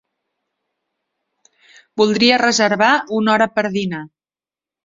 Voldria reservar una hora per dinar.